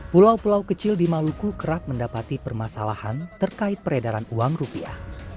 pulau pulau kecil di maluku kerap mendapati permasalahan terkait peredaran uang rupiah